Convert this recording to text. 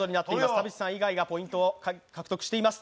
田渕さん以外がポイントを獲得しています。